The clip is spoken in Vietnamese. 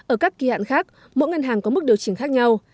ở các kỳ hạn khác mỗi ngân hàng có mức điều chỉnh khác nhau